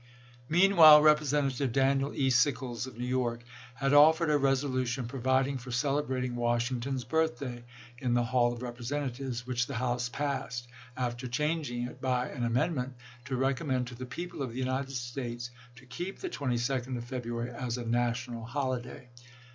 Meanwhile Representative Daniel E. Sickles, of New York, had offered a resolution providing for celebrating Washington's birthday in the Hall of Representatives, which the House passed, after changing it by an amendment to recommend to the people of the United States to keep the 22d of Feb ruary as a national holiday.